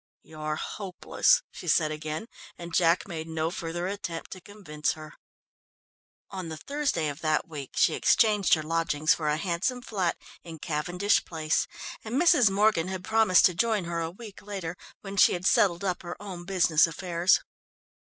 "You're hopeless," she said again, and Jack made no further attempt to convince her. On the Thursday of that week she exchanged her lodgings for a handsome flat in Cavendish Place, and Mrs. Morgan had promised to join her a week later, when she had settled up her own business affairs.